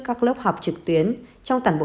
các lớp học trực tuyến trong tẳng bộ